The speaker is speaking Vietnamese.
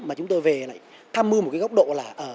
mà chúng tôi về lại tham mưu một cái góc độ là ở